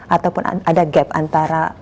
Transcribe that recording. ataupun ada gap antara